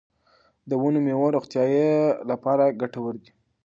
د ونو میوې د روغتیا لپاره ګټورې دي.